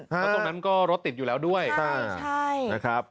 เพราะตรงนั้นก็รถติดอยู่แล้วด้วยนะครับ